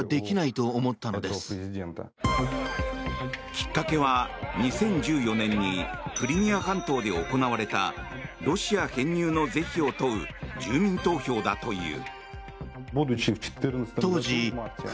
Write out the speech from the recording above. きっかけは２０１４年にクリミア半島で行われたロシア編入の是非を問う住民投票だという。